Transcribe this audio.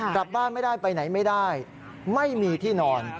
กลับบ้านไม่ได้ไปไหนไม่ได้ไม่มีที่นอน